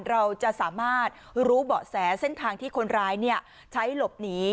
เราจะสามารถรู้เบาะแสเส้นทางที่คนร้ายใช้หลบหนี